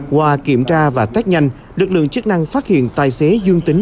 qua kiểm tra và test nhanh lực lượng chức năng phát hiện tài xế dương tính